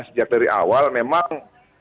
sejak dari awal memang